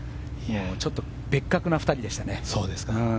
ちょっと別格な２人でしたね。